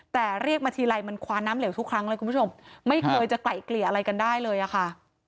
แต่เรียกมาทีไรมันคว้าน้ำเหลวทุกครั้งเลยคุณผู้ชมไม่เคยจะไกล่เกลี่ยอะไรกันได้เลยอะค่ะ